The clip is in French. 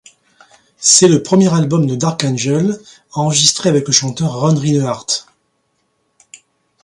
C'est le premier album de Dark Angel enregistré avec le chanteur Ron Rinehart.